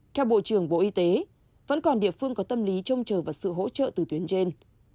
theo bộ trưởng bộ y tế vẫn còn địa phương có tâm lý trông chờ vào sự hỗ trợ từ tuyến trên